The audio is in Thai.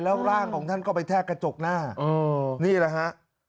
แล้วร่างของท่านก็ไปแทกกระจกหน้านี่แหละฮะ